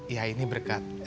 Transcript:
ya ini berkat